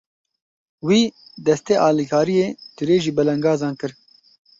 Wî, destê alîkariyê dirêjî belengazan kir.